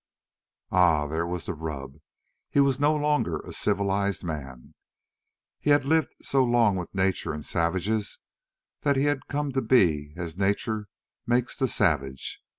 Ah! there was the rub, he was no longer a civilised man; he had lived so long with nature and savages that he had come to be as nature makes the savage.